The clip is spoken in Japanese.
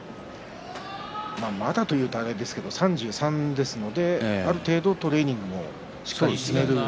まだというと、あれですけれども３３ですのである程度トレーニングをしっかりすると。